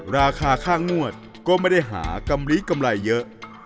ราคาค่างวดก็ไม่ได้หากำลีกำไรเยอะ